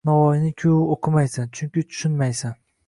Navoiyni-ku oʻqimaysan, chunki tushunmaysan.